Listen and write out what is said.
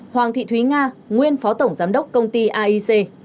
ba hoàng thị thúy nga nguyên phó tổng giám đốc công ty aic